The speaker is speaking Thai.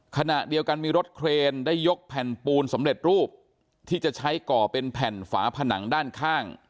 ขณะเดียวกันมีรถเครนได้ยกแผ่นปูนสำเร็จรูปที่จะใช้ก่อเป็นแผ่นฝาผนังด้านข้าง